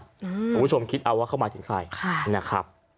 คุณผู้ชมคิดเอาว่าเข้ามาถึงใคร